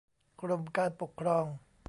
กรมการปกครอง